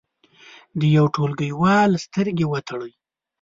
د یو ټولګیوال سترګې وتړئ.